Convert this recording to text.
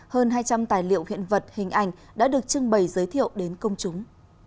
hơn hai trăm linh tài liệu hiện vật hình ảnh đã được trưng bày giới thiệu đến công chúng